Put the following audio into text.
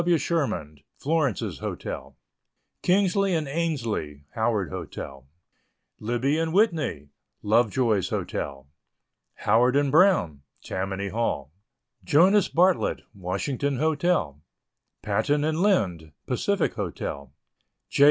W. Sherman, Florence's Hotel, Kingsley & Ainslee, Howard Hotel, Libby & Whitney, Lovejoy's Hotel, Howard & Brown, Tammany Hall, Jonas Bartlett, Washington Hotel, Patten & Lynde, Pacific Hotel, J.